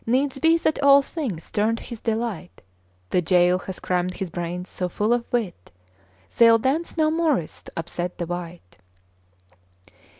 ' 'Needs be that all things turn to his delight; The jail has crammed his brains so full of wit, They'll dance no morris to upset the wight.